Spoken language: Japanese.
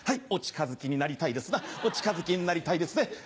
お近づきになりたいですなお近づきになりたいですね。